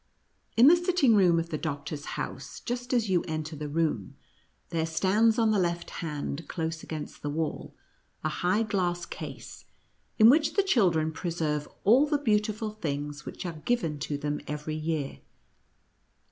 In the sitting room of the Doctor's house, just as you enter the room, there stands on the left hand, close against the wall, a hi^h °dass case, in which the children preserve all the beau tiful things which are given to them every year.